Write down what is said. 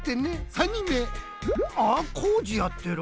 ３にんめあっこうじやってる。